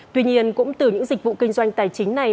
tuy nhiên cũng từ những dịch vụ kinh doanh tài chính này